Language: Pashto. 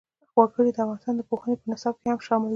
وګړي د افغانستان د پوهنې په نصاب کې هم شامل دي.